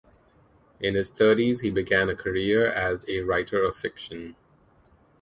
In his thirties he began a career as a writer of fiction.